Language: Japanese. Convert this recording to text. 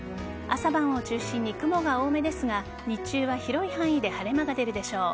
朝晩を中心に雲が多めですが日中は広い範囲で晴れ間が出るでしょう。